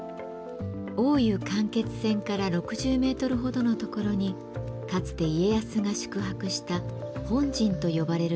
大湯間欠泉から６０メートルほどのところにかつて家康が宿泊した本陣と呼ばれる宿があったといいます。